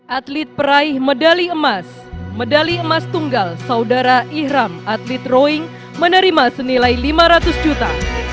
atlet peraih medali emas medali emas tunggal saudara ihram atlet roing menerima senilai lima ratus juta